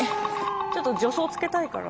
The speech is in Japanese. ちょっと助走つけたいから。